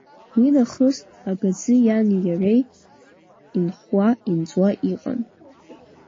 Уи нахыс агаӡы иани иареи инхуа, инҵуа иҟан.